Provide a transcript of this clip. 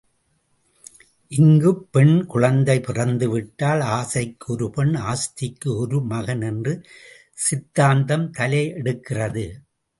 இங்குப் பெண் குழந்தை பிறந்துவிட்டால் ஆசைக்கு ஒரு பெண் ஆஸ்திக்கு ஒரு மகன் என்ற சித்தாந்தம் தலையெடுக்கிறது.